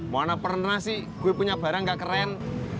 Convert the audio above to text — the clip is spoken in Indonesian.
mana pernah sih gue punya barang nggak keren